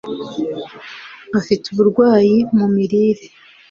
Afite Uburwayi mu mirire